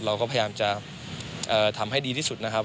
เราก็พยายามจะทำให้ดีที่สุดนะครับ